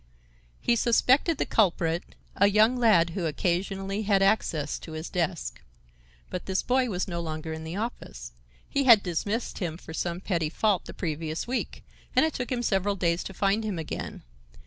He suspected the culprit,—a young lad who occasionally had access to his desk. But this boy was no longer in the office. He had dismissed him for some petty fault the previous week, and it took him several days to find him again.